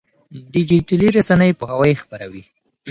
ډيجيټلي رسنۍ پوهاوی خپروي.